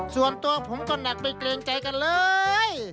ส่วนตัวผมก็หนักไปเกรงใจกันเลย